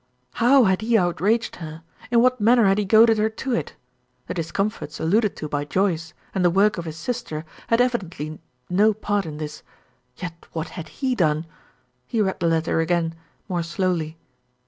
How had he outraged her? In what manner had he goaded her to it. The discomforts alluded to by Joyce, and the work of his sister, had evidently no part in this; yet what had he done? He read the letter again, more slowly.